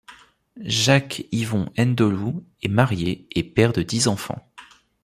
Jacques Yvon Ndolou est marié, et père de dix enfants.